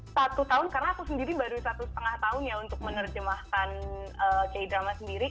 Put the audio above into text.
satu tahun karena aku sendiri baru satu setengah tahun ya untuk menerjemahkan k drama sendiri